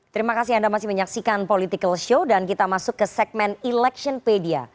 terima kasih anda masih menyaksikan political show dan kita masuk ke segmen electionpedia